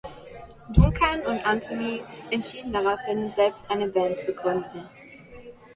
Duncan und Antony entschieden daraufhin, selbst eine Band zu gründen.